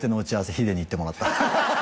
ヒデに行ってもらったハハハ